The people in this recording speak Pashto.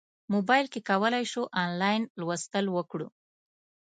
موبایل کې کولی شو انلاین لوستل وکړو.